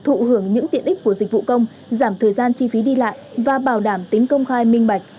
thụ hưởng những tiện ích của dịch vụ công giảm thời gian chi phí đi lại và bảo đảm tính công khai minh bạch